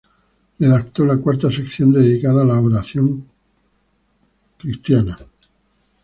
Redactó la cuarta sección dedicada a la oración cristiana.